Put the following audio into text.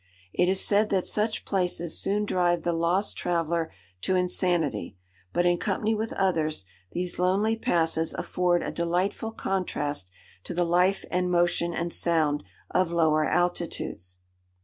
It is said that such places soon drive the lost traveller to insanity, but in company with others these lonely passes afford a delightful contrast to the life and motion and sound of lower altitudes.